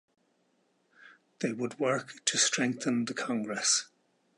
They would work to strengthen the Congress.